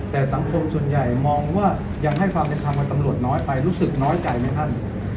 แต่สังคมส่วนใหญ่มองว่ายังให้ความเป็นธรรมกับตำรวจน้อยไปรู้สึกน้อยใจไหมท่าน